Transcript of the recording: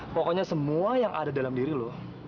pokoknya semua yang ada dalam diri loh